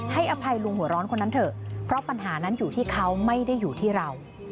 อภัยลุงหัวร้อนคนนั้นเถอะเพราะปัญหานั้นอยู่ที่เขาไม่ได้อยู่ที่เรา